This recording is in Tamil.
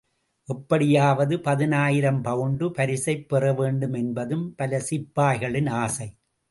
எப்படியாவது பதினாயிரம் பவுண்டு பரிசைப் பெறவேண்டும் என்பதும் பல சிப்பாய்களின் ஆசை.